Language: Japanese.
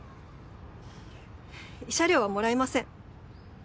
慰謝料はもらいません。